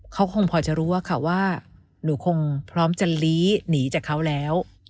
เขาคงพอจะรู้ว่าค่ะว่าหนูคงพร้อมจะลี้หนีจากเขาแล้ว